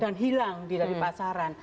dan hilang dari pasaran